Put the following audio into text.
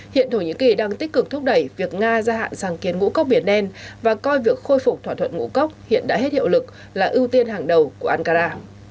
hiện thổ nhĩ kỳ đang tích cực thúc đẩy việc nga gia hạn sáng kiến ngũ cốc biển đen và coi việc khôi phục thỏa thuận ngũ cốc hiện đã hết hiệu lực là ưu tiên hàng đầu của ankara